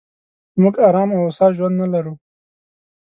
موږ ارام او هوسا ژوند نه لرو.